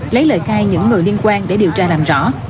lấy lời khai những người liên quan để điều tra làm rõ